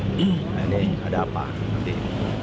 ini ada apa nanti